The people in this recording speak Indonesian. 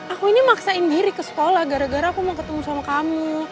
aku ini maksain diri ke sekolah gara gara aku mau ketemu sama kamu